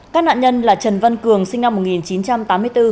các nạn nhân là trần văn cường sinh năm một nghìn chín trăm tám mươi bốn